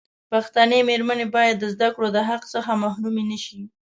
پښتنې مېرمنې باید د زدکړو دحق څخه محرومي نشي.